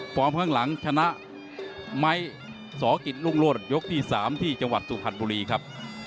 พร้อมข้างหลังชนะไหมสอกิศรุ่งโลกยกที่๓ที่จังหวัดสุพันธ์บุรีครับ